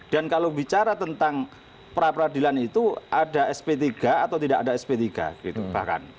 dan kalau bicara tentang perapradilan itu ada sp tiga atau tidak ada sp tiga gitu bahkan